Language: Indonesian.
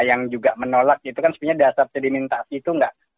yang juga menolak itu kan sebenarnya dasar sedimentasi itu enggak